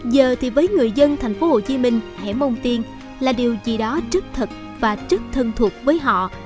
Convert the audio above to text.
giờ thì với người dân thành phố hồ chí minh hẻm ông tiên là điều gì đó rất thật và rất thân thuộc với họ